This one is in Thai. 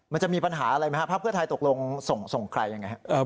มันจะมีปัญหาอะไรไหมฮะภาคเพื่อไทยตกลงส่งใครอย่างไง